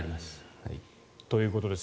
ということです。